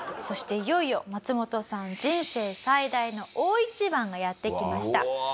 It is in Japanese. そしていよいよマツモトさん人生最大の大一番がやって来ました。